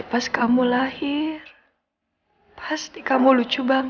masa untuk beta methyl bond